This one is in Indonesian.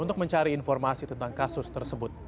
untuk mencari informasi tentang kasus tersebut